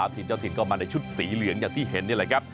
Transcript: ทีมเจ้าถิ่นก็มาในชุดสีเหลืองอย่างที่เห็นนี่แหละครับ